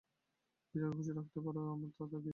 তুমি যাকে খুশি রাখতে পারো আমার তাতে কী।